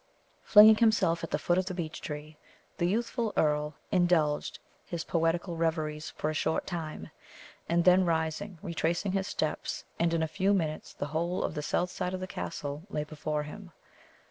Flinging himself at the foot of the beech tree, the youthful earl indulged his poetical reveries for a short time, and then, rising, retraced his steps, and in a few minutes the whole of the south side of the castle lay before him.